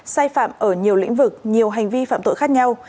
sai phạm ở nhiều lĩnh vực nhiều hành vi phạm tội khác nhau